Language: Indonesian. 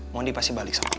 mondi pasti balik sama lo